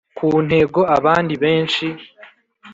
ku ntego abandi benshi,